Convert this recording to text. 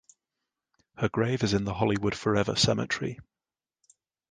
Her grave is in the Hollywood Forever Cemetery.